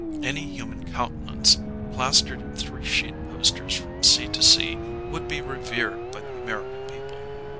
Any human countenance, plastered in three sheet posters from sea to sea, would be revered by the American people.